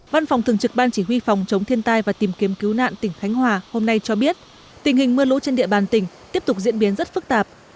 văn phòng thường trực ban chỉ huy phòng chống thiên tai và tìm kiếm cứu nạn tỉnh khánh hòa hôm nay cho biết tình hình mưa lũ trên địa bàn tỉnh tiếp tục diễn biến rất phức tạp